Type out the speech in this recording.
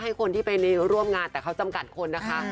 ให้คนไปร่วมงานแต่เค้าสมการคนนะคะ